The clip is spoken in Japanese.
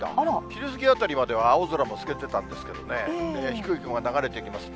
昼過ぎあたりまでは青空も透けてたんですけどね、低い雲が流れてきます。